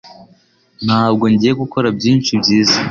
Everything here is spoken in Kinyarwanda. Ntabwo ngiye gukora byinshi byiza